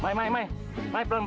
lelaki asal kalau sih